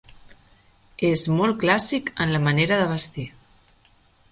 És molt clàssic en la manera de vestir.